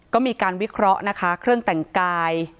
ก็มีการวิเคราะห์นะคะเครื่องแต่งกาย